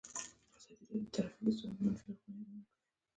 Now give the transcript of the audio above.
ازادي راډیو د ټرافیکي ستونزې د منفي اړخونو یادونه کړې.